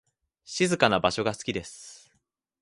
静かな場所が好きです。